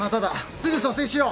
すぐ蘇生しよう。